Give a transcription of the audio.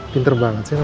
kita masuk ya